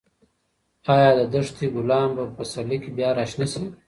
ایا د دښتې ګلان به په پسرلي کې بیا راشنه شي؟